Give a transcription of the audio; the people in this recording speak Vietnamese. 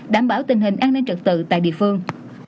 đảm bảo tình hình an ninh trật tự tại địa phương